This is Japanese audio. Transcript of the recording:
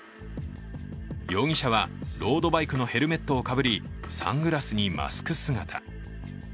容疑者はロードバイクのヘルメットをかぶり、サングラスにマスク姿。